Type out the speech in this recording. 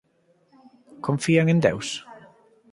Confían en Deus?